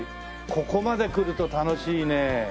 ここまでくると楽しいねえ。